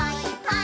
はい。